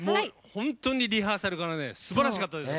本当にリハーサルからねすばらしかったです。